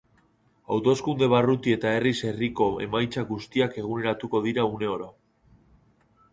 Hauteskunde barruti eta herriz herriko emaitza guztiak eguneratuko dira une oro.